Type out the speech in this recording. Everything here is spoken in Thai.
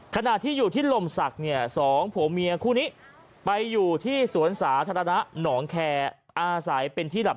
ขณะที่อยู่ที่ลมศักดิ์เนี่ยสองผัวเมียคู่นี้ไปอยู่ที่สวนสาธารณะหนองแคร์อาศัยเป็นที่หลับ